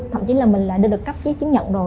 thậm chí là mình đã được cấp chiếc chứng nhận rồi